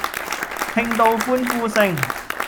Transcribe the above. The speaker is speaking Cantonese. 聽到歡呼聲